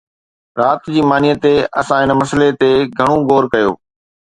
رات جي مانيءَ تي اسان ان مسئلي تي گهڻو غور ڪيو